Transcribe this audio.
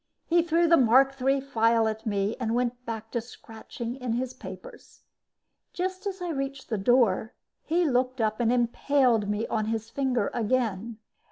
He threw the Mark III file at me and went back to scratching in his papers. Just as I reached the door, he looked up and impaled me on his finger again.